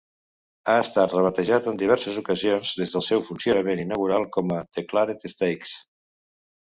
Ha estat rebatejat en diverses ocasions des del seu funcionament inaugural com The Claret Stakes.